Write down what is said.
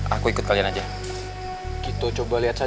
baunya kayak minyak kelapa